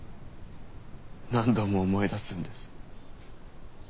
何度も思い出すんです。